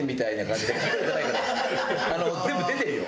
あの全部出てるよ！